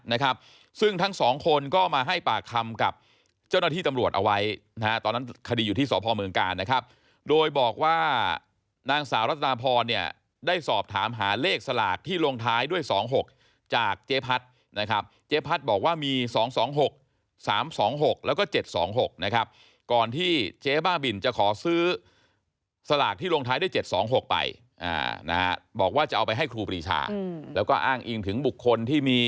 นะครับซึ่งทั้งสองคนก็มาให้ปากคำกับเจ้าหน้าที่ตำรวจเอาไว้นะครับตอนนั้นคดีอยู่ที่สหพเมืองการนะครับโดยบอกว่านางสาวรัตนาพรเนี่ยได้สอบถามหาเลขสลากที่ลงท้ายด้วยสองหกจากเจพัทนะครับเจพัทบอกว่ามีสองสองหกสามสองหกแล้วก็เจ็ดสองหกนะครับก่อนที่เจมาบินจะขอซื้อสลากที่ลงท้ายได้เจ็ดสองหกไปนะฮะบอกว